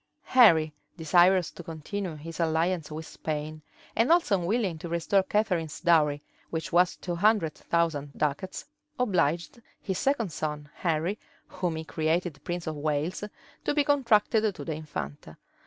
{1502.} Henry, desirous to continue his alliance with Spain, and also unwilling to restore Catharine's dowry, which was two hundred thousand ducats, obliged his second son, Henry, whom he created prince of Wales, to be contracted to the infanta.